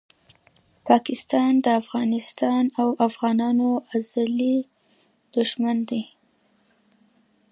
پاکستان دافغانستان او افغانانو ازلي دښمن ده